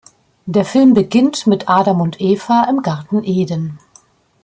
Der Film beginnt mit Adam und Eva im Garten Eden.